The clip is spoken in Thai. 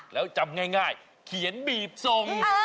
แล้วจำง่ายเขียนบีบทรง